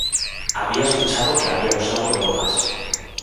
Había escuchado que había usado drogas.